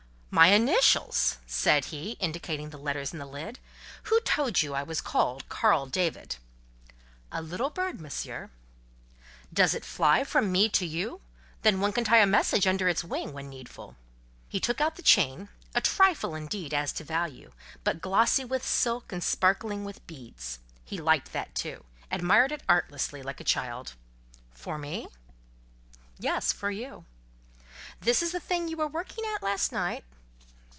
"My initials!" said he, indicating the letters in the lid. "Who told you I was called Carl David?" "A little bird, Monsieur." "Does it fly from me to you? Then one can tie a message under its wing when needful." He took out the chain—a trifle indeed as to value, but glossy with silk and sparkling with beads. He liked that too—admired it artlessly, like a child. "For me?" "Yes, for you." "This is the thing you were working at last night?"